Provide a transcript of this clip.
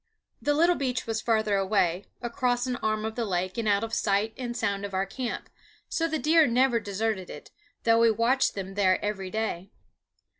The little beach was farther away, across an arm of the lake and out of sight and sound of our camp, so the deer never deserted it, though we watched them there every day.